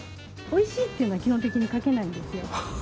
おいしいっていうのは基本的に書けないんですよ。